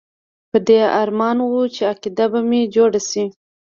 په دې ارمان وم چې عقیده به مې جوړه شي.